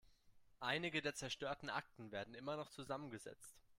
Einige der zerstörten Akten werden immer noch zusammengesetzt.